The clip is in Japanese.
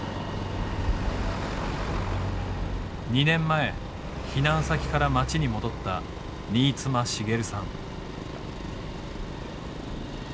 ２年前避難先から町に戻った新妻茂さん。